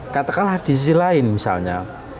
katakanlah di sisi lain misalnya